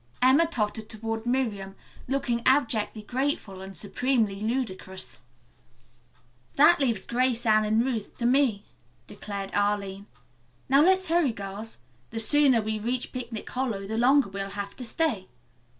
Emma tottered toward Miriam, looking abjectly grateful and supremely ludicrous. "That leaves Grace, Anne and Ruth to me," declared Arline. "Now let's hurry, girls. The sooner we reach Picnic Hollow the longer we'll have to stay."